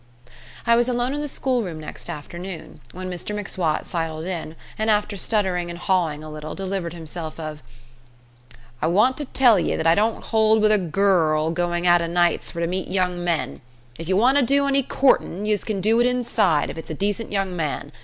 I was alone in the schoolroom next afternoon when Mr M'Swat sidled in, and after stuttering and hawing a little, delivered himself of: "I want to tell ye that I don't hold with a gu r r r l going out of nights for to meet young men: if ye want to do any coortin' yuz can do it inside, if it's a decent young man.